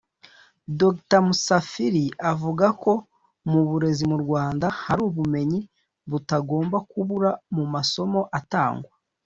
Dr Musafiri avuga ko mu burezi mu Rwanda hari ubumenyi butagomba kubura mu masomo atangwa